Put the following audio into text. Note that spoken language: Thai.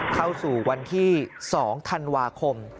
เข้าสู่วันที่๒ธันวาคม